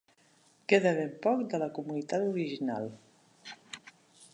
Queda ben poc de la comunitat original.